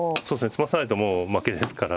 詰まさないともう負けですから。